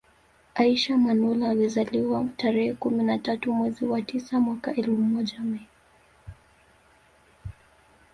Aishi Manula amezaliwa tarehe kumi na tatu mwezi wa tisa mwaka elfu moja mia